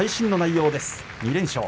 ２連勝。